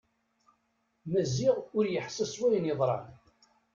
Maziɣ ur yeḥsi s wayen yeḍran.